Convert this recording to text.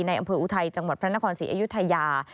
อำเภออุทัยจังหวัดพระนครศรีอยุธยา